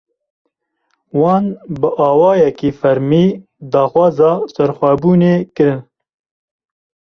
Wan bi awayekî fermî, daxwaza serxwebûnê kirin